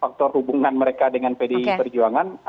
faktor hubungan mereka dengan pdi perjuangan